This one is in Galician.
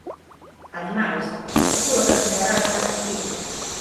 Ademais, seguro que resultará ben atractivo.